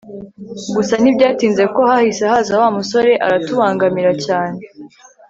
gusa nyibyatinze kuko hahise haza wa musore aratubangamira cyane